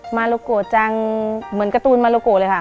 มาโลโกะจังเหมือนการ์ตูนมาโลโกะเลยค่ะ